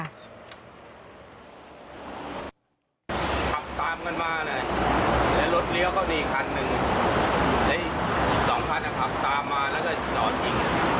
ขับตามกันมาเลยแล้วรถเลี้ยวก็มีอีกคันหนึ่งและอีกสองคันขับตามมาแล้วก็จอดยิง